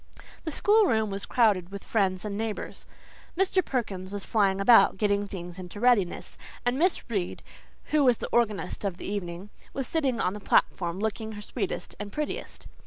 The school room was crowded with friends and neighbours. Mr. Perkins was flying about, getting things into readiness, and Miss Reade, who was the organist of the evening, was sitting on the platform, looking her sweetest and prettiest.